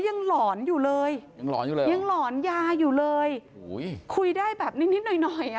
ยังหลอนอยู่เลยยังหลอนยาอยู่เลยคุยได้แบบนิดหน่อย